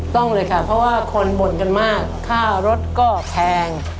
ต้องเลยค่ะเพราะว่าคนบ่นกันมากค่ารถก็แพง